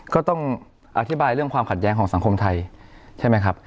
ก็ต้องอธิบายเรื่องความขัดแย้งของสังคมไทยใช่ไหมครับ